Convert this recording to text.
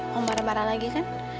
mau marah marah lagi kan